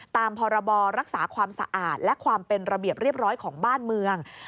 ตามพรบรักษาความสะอาดและความเป็นระเบียบเรียบร้อยของบ้านเมือง